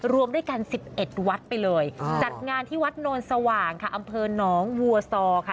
รวมด้วยกัน๑๑วัดไปเลยจัดงานที่วัดโนนสว่างค่ะอำเภอหนองวัวซอค่ะ